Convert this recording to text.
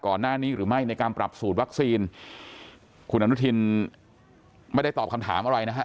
ก่อนหน้านี้หรือไม่ในการปรับสูตรวัคซีนคุณอนุทินไม่ได้ตอบคำถามอะไรนะฮะ